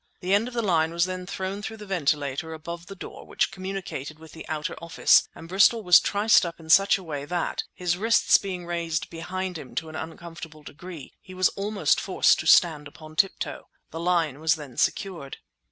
The end of the line was then thrown through the ventilator above the door which communicated with the outer office and Bristol was triced up in such a way that, his wrists being raised behind him to an uncomfortable degree, he was almost forced to stand upon tiptoe. The line was then secured.